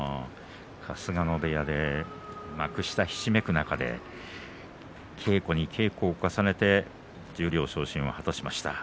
春日野部屋で幕下ひしめく中で稽古に稽古を重ねて十両昇進を果たしました。